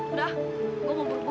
udah gue mau buru buru